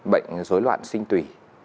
bệnh rối loạn sinh tùy